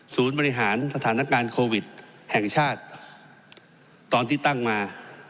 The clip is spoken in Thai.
บริหารสถานการณ์โควิดแห่งชาติตอนที่ตั้งมา